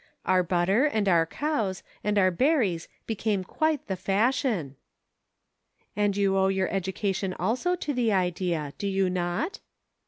Our butter, and our cows, and our berries became quite the fashion." " And you owe your education also to the idea, do you not